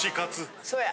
そうや！